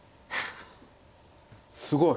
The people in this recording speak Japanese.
すごい。